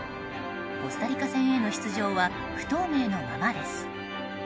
コスタリカ戦への出場は不透明なままです。